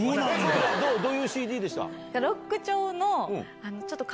どういうＣＤでした？